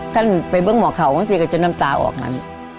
ท่านไปเบื้องหมอเขาบางทีก็จะน้ำตาออกนั้น